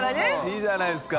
いいじゃないですか。